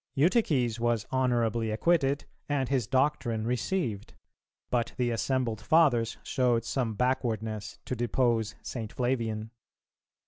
Eutyches was honourably acquitted, and his doctrine received; but the assembled Fathers showed some backwardness to depose St. Flavian.